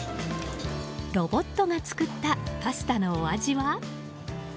ロボットが作ったパスタのお味は。